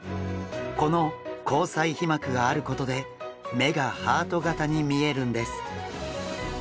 この虹彩皮膜があることで目がハート型に見えるんです。